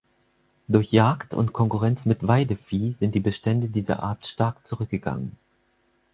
Durch Jagd und Konkurrenz mit Weidevieh sind die Bestände dieser Art stark zurückgegangen.